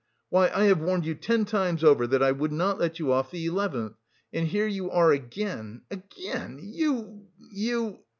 Why, I have warned you ten times over that I would not let you off the eleventh! And here you are again, again, you... you...!"